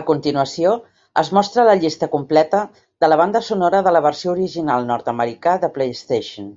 A continuació es mostra la llista completa de la banda sonora de la versió original nord-americà de PlayStation.